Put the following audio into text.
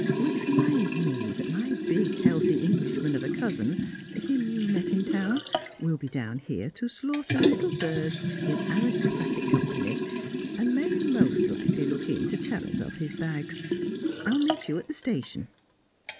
Which reminds me that my big, healthy Englishman of a cousin (him you met in town) will be down here to slaughter little birds in aristocratic company, and may most likely look in to tell us of his bags. I will meet you at the station."